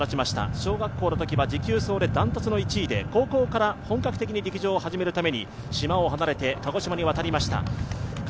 小学校のときは持久走で断トツの１位で高校から本格的に陸上を始めるために島を離れて鹿児島に渡りました。